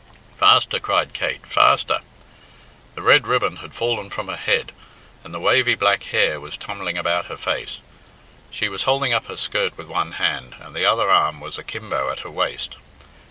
"Faster!" cried Kate. "Faster!" The red ribbon had fallen from her head, and the wavy black hair was tumbling about her face. She was holding up her skirt with one hand, and the other arm was akimbo at her waist.